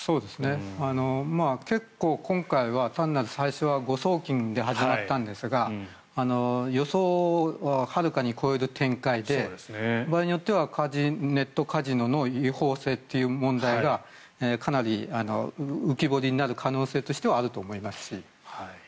結構、今回は単なる最初は誤送金で始まったんですが予想をはるかに超える展開で場合によってはネットカジノの違法性という問題がかなり浮き彫りになる可能性としてはあると思いますし